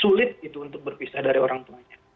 sulit itu untuk berpisah dari orang tuanya